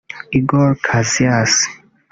Igor Cesar